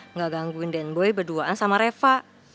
nggak gangguin dan boy berduaan sama reva